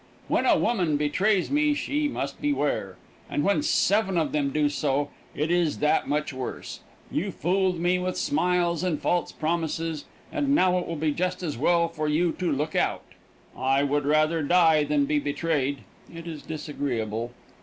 When a woman betrays me she must beware. And when seven of them do so, it is that much worse. You fooled me with smiles and false promises, and now it will be just as well for you to look out. I would rather die than be betrayed. It is disagreeable.